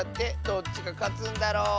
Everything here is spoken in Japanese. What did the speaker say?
どっちがかつんだろ？